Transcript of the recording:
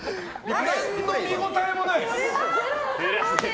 何の見応えもない！